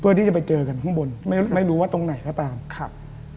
ที่จะไปเจอกันข้างบนไม่รู้ว่าตรงไหนก็ตามครับ